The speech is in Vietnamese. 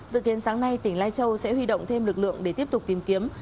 dự kiến sáng nay tỉnh lai châu sẽ huy động thêm lực lượng để tiếp tục tìm kiếm